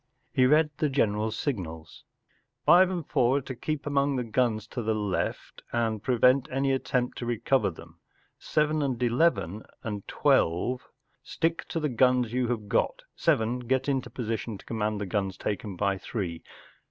He read the general s signals. “ Five and Four are to keep among the guns to the left and prevent any attempt to recover them. Seven and Eleven and Twelve, stick to the guns you have got ; Seven, get into position to command the guns taken by Three.